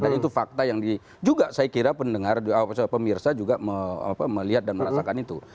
dan itu fakta yang di juga saya kira pendengar pemirsa juga melihat dan merasakan itu